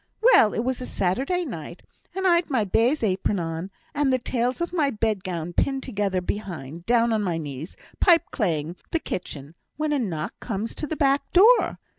Well! it was a Saturday night, and I'd my baize apron on, and the tails of my bed gown pinned together behind, down on my knees, pipeclaying the kitchen, when a knock comes to the back door.